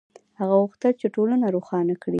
هغه غوښتل چې ټولنه روښانه شي.